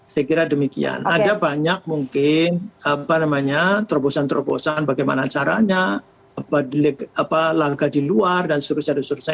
saya kira demikian ada banyak mungkin terobosan terobosan bagaimana caranya langkah di luar dan seterusnya